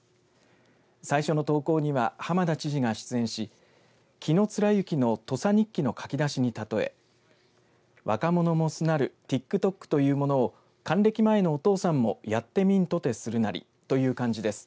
最初の投稿には浜田知事が出演し紀貫之の土佐日記の書き出しに例え若者もすなるＴｉｋＴｏｋというものを還暦前のお父さんもやってみんとてするなりという感じです。